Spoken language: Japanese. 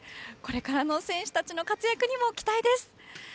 これからの選手たちの活躍にも期待です。